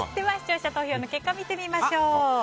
視聴者投票の結果を見てみましょう。